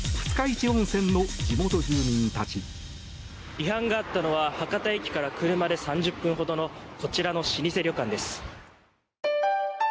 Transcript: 違反があったのは博多駅から車で３０分ほどのこちらの老舗旅館です。